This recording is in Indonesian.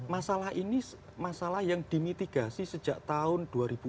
masalah ini masalah yang dimitigasi sejak tahun dua ribu empat belas